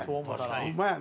ホンマやね。